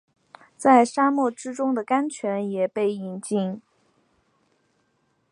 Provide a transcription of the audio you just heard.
在沙漠之中的甘泉也被饮尽